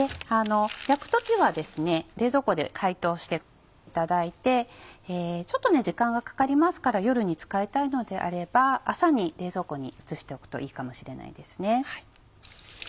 焼く時はですね冷蔵庫で解凍していただいてちょっと時間がかかりますから夜に使いたいのであれば朝に冷蔵庫に移しておくといいかもしれないですね。